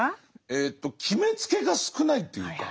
えと決めつけが少ないっていうか。